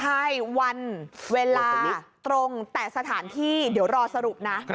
ใช่วันเวลานี้ตรงแต่สถานที่เดี๋ยวรอสรุปนะ